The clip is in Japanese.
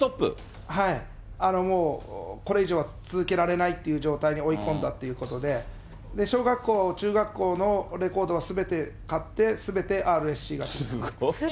もうこれ以上は続けられないっていう状態に追い込んだということで、小学校、中学校のレコードをすべて勝って、すべてＲＳＣがついてます。